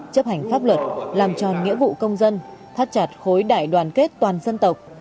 chấp hành pháp luật làm tròn nghĩa vụ công dân thắt chặt khối đại đoàn kết toàn dân tộc